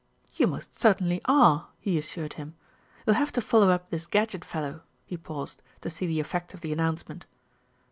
"You most certainly are," he assured him. "You'll have to follow up this Gadgett fellow," he paused, to see the effect of the announcement.